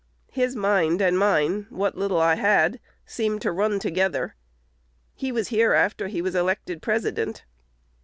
His mind and mine what little I had seemed to run together.... He was here after he was elected President."